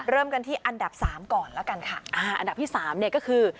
เริ่มกันที่อันดับสามก่อนแล้วกันค่ะอ่าอันดับที่สามเนี่ยก็คือ